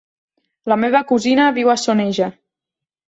La meva cosina viu a Soneja.